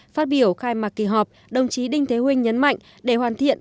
phát biểu khai mạc kỳ họp đồng chí đinh thế huynh nhấn mạnh để hoàn thiện